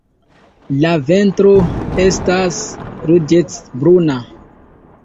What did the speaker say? La ventro estas ruĝecbruna.